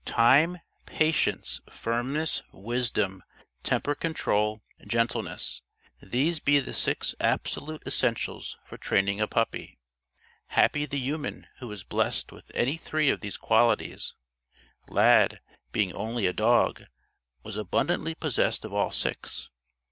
Time, patience, firmness, wisdom, temper control, gentleness these be the six absolute essentials for training a puppy. Happy the human who is blessed with any three of these qualities. Lad, being only a dog, was abundantly possessed of all six.